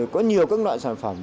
có nhiều các loại sản phẩm